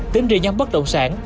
tính riêng nhóm bất động sản